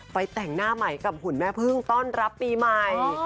แต่งหน้าใหม่กับหุ่นแม่พึ่งต้อนรับปีใหม่